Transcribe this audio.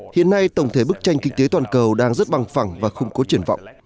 hiện nay tổng thể bức tranh kinh tế toàn cầu đang rất băng phẳng và không có triển vọng